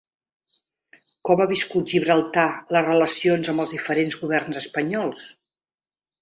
Com ha viscut Gibraltar les relacions amb els diferents governs espanyols?